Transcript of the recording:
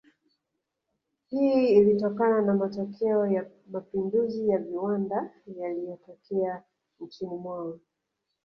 Hii ilitokana na matokeo ya mapinduzi ya viwanda yaliyotokea nchini mwao